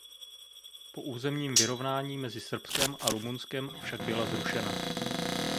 Po územním vyrovnání mezi Srbskem a Rumunskem však byla zrušena.